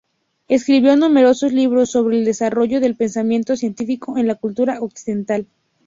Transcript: Escribió numerosos libros sobre el desarrollo del pensamiento científico en la cultura occidental.